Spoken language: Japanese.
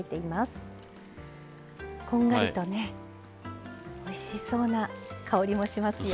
こんがりとねおいしそうな香りもしますよ。